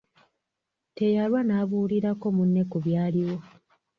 Teyalwa n’abuulirako munne ku byaliwo.